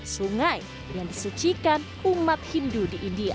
sungai yang disucikan umat hindu di india